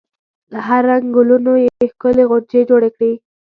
له هر رنګ ګلونو یې ښکلې غونچې جوړې کړي.